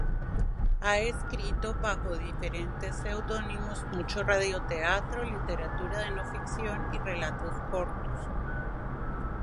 Ha escrito bajo diferentes pseudónimos mucho radioteatro, literatura de no ficción y relatos cortos.